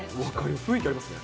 雰囲気ありますね。